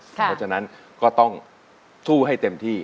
เพราะฉะนั้นก็ต้องสู้ให้เต็มที่